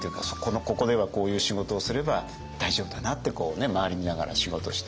ここではこういう仕事をすれば大丈夫だなって周り見ながら仕事してる。